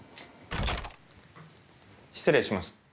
失礼します